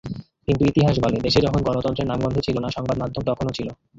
কিন্তু ইতিহাস বলে, দেশে যখন গণতন্ত্রের নামগন্ধ ছিল না, সংবাদমাধ্যম তখনো ছিল।